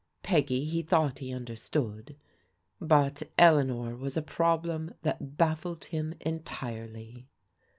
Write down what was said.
Peggy he thought he understood, but Eleanor was a problem that baffled him entirely.